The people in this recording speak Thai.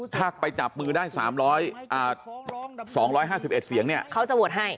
ถ้าไปจับมือได้๒๕๑เสียงเนี่ยเขาจะโหวตให้